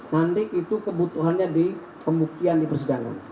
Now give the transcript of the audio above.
nanti itu kebutuhannya di pembuktian di persidangan